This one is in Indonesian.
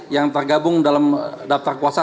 yang tergabung dalam daftar kuasa